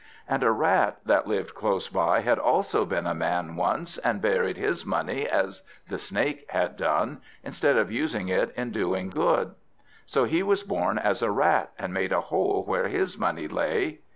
And a Rat that lived close by had also been a man once, and buried his money as the Snake had done, instead of using it in doing good; so he was born as a Rat, and made a hole where his money lay.